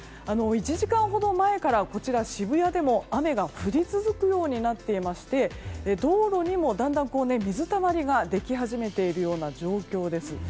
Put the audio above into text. １時間ほど前からこちら渋谷でも雨が降り続くようになっていまして道路にもだんだん水たまりができ始めているような状況です。